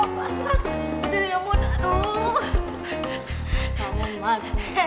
makmun makmun makmun